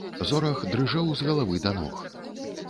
Зорах дрыжэў з галавы да ног.